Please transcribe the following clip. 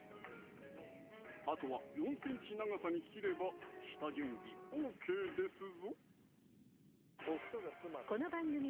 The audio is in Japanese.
あとは４ｃｍ長さに切れば下準備ＯＫですぞ！